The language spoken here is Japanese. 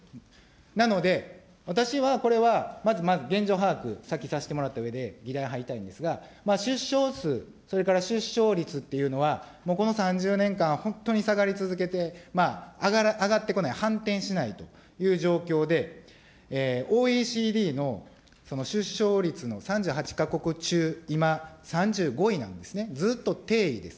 なので、私はこれはまずまず現状把握、さっきさせてもらったうえで、議題入りたいんですが、出生数、それから出生率というのは、もうこの３０年間、本当に下がり続けて、上がってこない、反転しないという状況で、ＯＥＣＤの出生率の３８か国中今、３５位なんですね。ずっと低位です。